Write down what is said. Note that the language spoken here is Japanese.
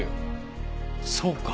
そうか。